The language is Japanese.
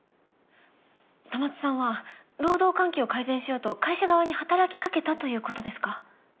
戸松さんは労働環境を改善しようと会社側に働きかけたということですか？